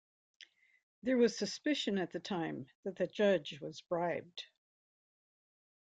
There was suspicion at the time that the Judge was bribed.